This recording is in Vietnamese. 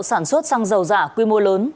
sản xuất xăng dầu giả quy mô lớn